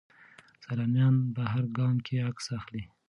سیلانیان په هر ګام کې عکس اخلي.